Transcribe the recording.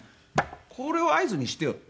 これを合図にしてよって。